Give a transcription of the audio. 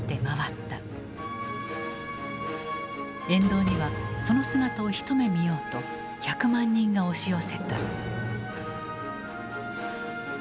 沿道にはその姿を一目見ようと１００万人が押し寄せた。